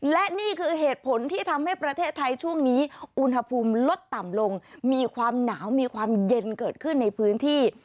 และนี่คือเหตุผลที่ทำให้ประเทศไทยช่วงนี้อุณหภูมิลดต่ำลงมีความหนาวมีความเย็นเกิดขึ้นในพื้นที่